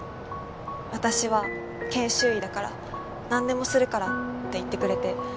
「私は研修医だからなんでもするから」って言ってくれて。